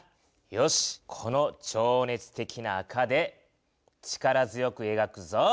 よしこの情熱的な赤で力強くえがくぞ。